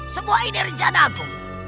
semua ini rencana aku